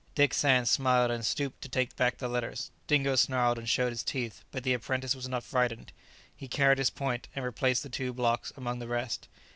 Dick Sands smiled and stooped to take back the letters. Dingo snarled and showed his teeth, but the apprentice was not frightened; he carried his point, and replaced the two blocks among the rest.